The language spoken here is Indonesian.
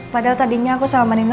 padahal tadinya aku sama nina